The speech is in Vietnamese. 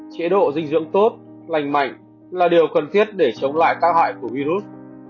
chế độ dinh dưỡng tốt lành mạnh là điều cần thiết để chống lại tác hại của virus